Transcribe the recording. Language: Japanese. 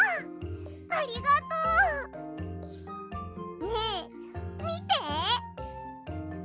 ありがとう！ねえみて！